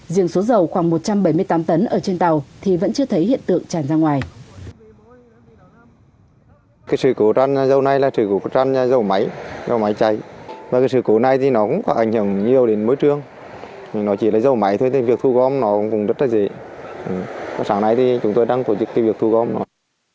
riêng số dầu khoảng một trăm bảy mươi tám tấn ở trên tàu thì vẫn chưa thấy hiện tượng tràn ra ngoài